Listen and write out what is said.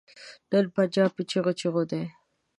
نن پنجاب په چيغو چيغو دی.